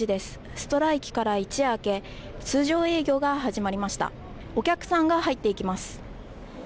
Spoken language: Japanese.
ストライキから一夜明けて通常営業が始まりましたお客さんが入っていきます